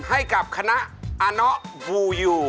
ให้กับคณะอบูยู